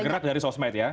bergerak dari sosmed ya